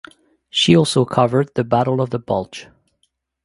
She also covered the Battle of the Bulge.